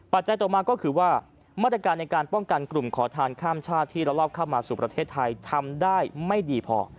จัยต่อมาก็คือว่ามาตรการในการป้องกันกลุ่มขอทานข้ามชาติที่ละลอบเข้ามาสู่ประเทศไทยทำได้ไม่ดีพอ